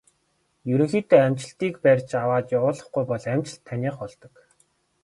Ерөнхийдөө амжилтыг барьж аваад явуулахгүй бол амжилт таных болдог.